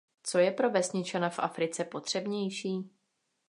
Co je pro vesničana v Africe potřebnější?